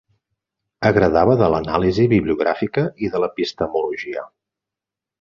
Agradava de l'anàlisi bibliogràfica i de l'epistemologia.